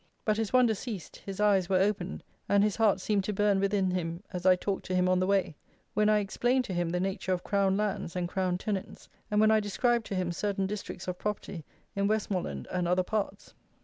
But his wonder ceased; his eyes were opened; and "his heart seemed to burn within him as I talked to him on the way," when I explained to him the nature of Crown lands and "Crown tenants," and when I described to him certain districts of property in Westmoreland and other parts.